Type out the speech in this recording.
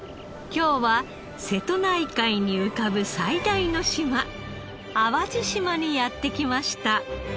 今日は瀬戸内海に浮かぶ最大の島淡路島にやって来ました。